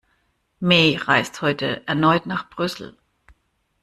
May reist heute erneut nach Brüssel